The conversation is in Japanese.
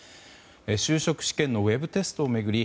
就職試験のウェブテストを巡り